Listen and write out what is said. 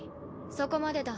そこまでだ。